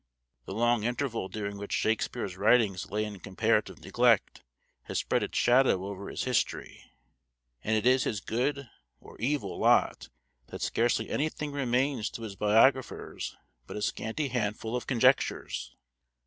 The long interval during which Shakespeare's writings lay in comparative neglect has spread its shadow over his history, and it is his good or evil lot that scarcely anything remains to his biographers but a scanty handful of conjectures.